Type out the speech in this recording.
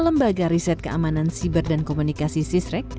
lembaga riset keamanan siber dan komunikasi sisrek